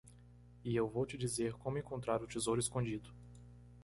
E eu vou te dizer como encontrar o tesouro escondido.